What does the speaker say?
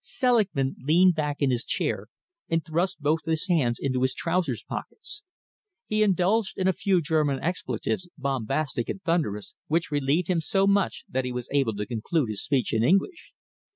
Selingman leaned back in his chair and thrust both hands into his trousers pockets. He indulged in a few German expletives, bombastic and thunderous, which relieved him so much that he was able to conclude his speech in English.